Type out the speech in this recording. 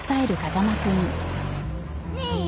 ねえ？